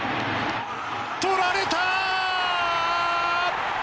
とられた！